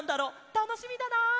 たのしみだな！